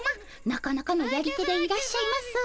なかなかのやり手でいらっしゃいますね。